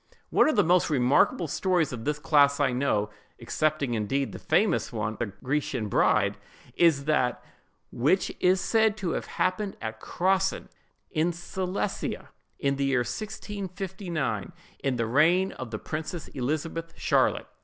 One of the most remarkable stories of this class I know—excepting indeed the famous one of the Grecian bride—is that which is said to have happened at Crossen, in Silesia, in the year 1659, in the reign of the Princess Elizabeth Charlotte.